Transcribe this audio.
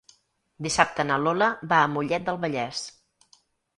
Dissabte na Lola va a Mollet del Vallès.